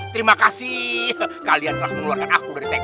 terima kasih kalian telah mengeluarkan aku dari tkn